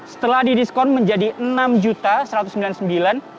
setelah didiskon menjadi rp enam satu ratus sembilan puluh sembilan